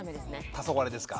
たそがれですか？